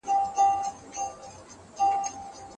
که څېړنه نه وي نو پوهه نه زیاتیږي.